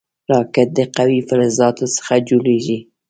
راکټ د قوي فلزاتو څخه جوړېږي